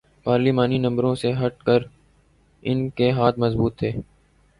پارلیمانی نمبروں سے ہٹ کے ان کے ہاتھ مضبوط تھے۔